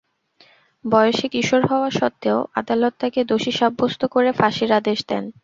বয়সে কিশোর হওয়া সত্ত্বেও আদালত তাঁকে দোষী সাব্যস্ত করে ফাঁসির আদেশ দেন।